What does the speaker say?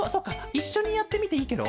いっしょにやってみていいケロ？